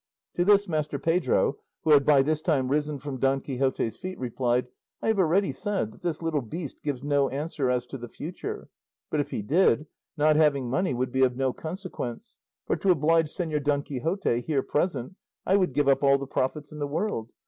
To this Master Pedro, who had by this time risen from Don Quixote's feet, replied, "I have already said that this little beast gives no answer as to the future; but if he did, not having money would be of no consequence, for to oblige Señor Don Quixote, here present, I would give up all the profits in the world.